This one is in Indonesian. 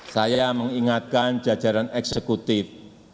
saya mengingatkan jajaran eksekutif